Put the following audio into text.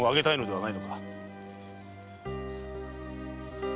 はい。